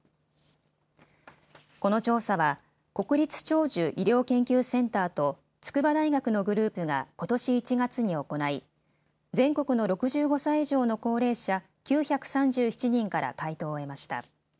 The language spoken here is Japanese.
この調査は国立長寿医療研究センターと筑波大学のグループが、ことし１月に行い全国の６５歳以上の高齢者９３７人から回答を得ました。